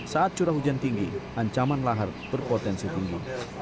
saat curah hujan tinggi ancaman lahar berpotensi tinggi